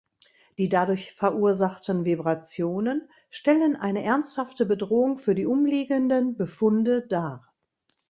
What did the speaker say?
Die dadurch verursachten Vibrationen stellen eine ernsthafte Bedrohung für die umliegenden Befunde dar.